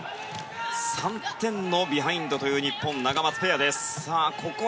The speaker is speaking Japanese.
３点のビハインドという日本、ナガマツペアです。